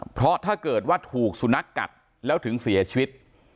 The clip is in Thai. เพราะถ้าเกิดว่าถูกสุนัขกัดแล้วถึงเสียชีวิต